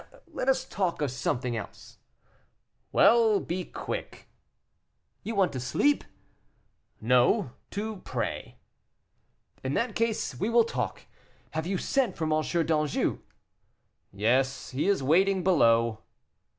"Let us talk of something else." "Well, be quick." "You want to sleep?" "No, to pray." "In that case we will talk. Have you sent for M. d'Anjou?" "Yes, he is waiting below."